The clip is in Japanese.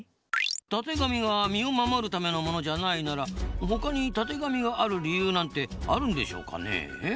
たてがみが身を守るためのものじゃないなら他にたてがみがある理由なんてあるんでしょうかねえ？